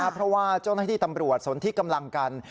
เพราะว่าเจ้าหน้าที่ตำรวจสนที่กำลังกัน